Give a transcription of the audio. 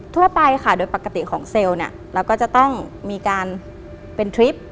ทั่วไปค่ะโดยปกติของเซลล์เนี่ยเราก็จะต้องมีการเป็นทริป